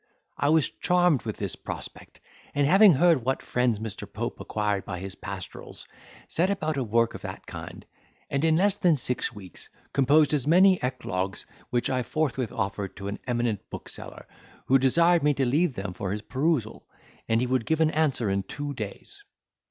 I was charmed with this prospect, and having heard what friends Mr. Pope acquired by his pastorals, set about a work of that kind, and in less than six weeks composed as many eclogues, which I forthwith offered to an eminent bookseller, who desired me to leave them for his perusal, and he would give an answer in two days.